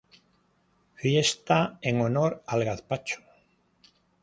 Fiesta en honor al gazpacho